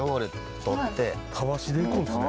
タワシでいくんですね。